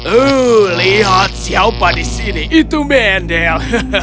oh lihat siapa di sini itu mendel